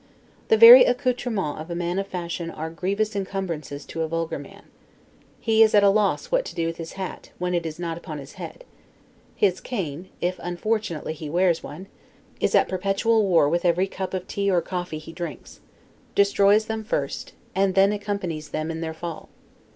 The very accoutrements of a man of fashion are grievous encumbrances to a vulgar man. He is at a loss what to do with his hat, when it is not upon his head; his cane (if unfortunately he wears one) is at perpetual war with every cup of tea or coffee he drinks; destroys them first, and then accompanies them in their fall.